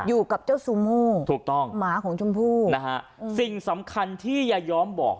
อยู่กับเจ้าซูโม่ถูกต้องหมาของชมพู่นะฮะสิ่งสำคัญที่ยายอมบอก